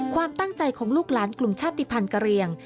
ความตั้งใจของลูกหลานกลุ่มชาติภัณฑ์กะเรียง